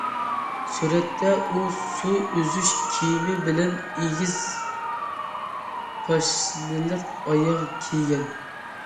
سۈرەتتە ئۇ سۇ ئۈزۈش كىيىمى بىلەن ئېگىز پاشنىلىق ئاياغ كىيگەن.